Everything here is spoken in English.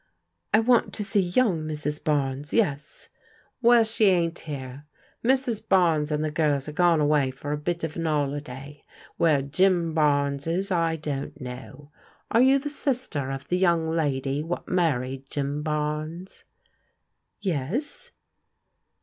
" I want to see young Mrs. Barnes, yes." " Well, she ain't here. Mrs. Barnes and the girls are gone away for a bit of an 'oliday. Where Jim Barnes is I don't know. Are you the sister of the yoimg lady whal married Jim Barnes ?"" Yes."